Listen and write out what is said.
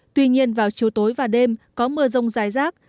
tuy nhiên vào chiều tối và đêm có mưa rông dài rác